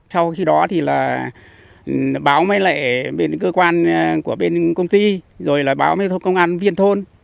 sau khi đó thì là báo mấy lệ bên cơ quan của bên công ty rồi là báo mấy công an viên thôn